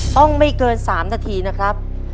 ไม่เกิน๓นาทีนะครับ